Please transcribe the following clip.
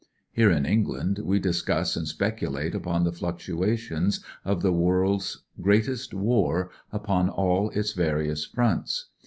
Here in England we discuss and specu late upon the fluctuations of the world's greatest war upon all its various fronts.